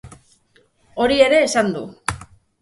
Hori ere esan du.